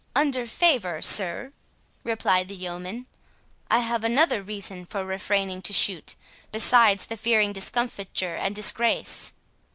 "Under favour, sir," replied the yeoman, "I have another reason for refraining to shoot, besides the fearing discomfiture and disgrace."